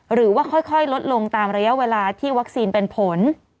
หรือว่าค่อยลดลงตามระยะเวลาที่วัคซีนเป็นผล